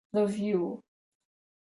The View.